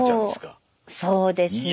そうそうですね。